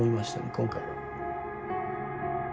今回は。